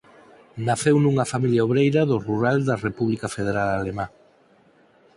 Naceu nunha familia obreira do rural da República Federal Alemá.